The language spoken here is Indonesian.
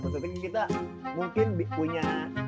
maksudnya kita mungkin punya